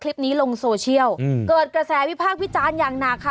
คลิปนี้ลงโซเชียลอืมเกิดกระแสวิภาคพิจารณ์อย่างหนักค่ะ